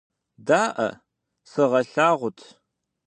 Даӏэ, сыгъэлъагъут!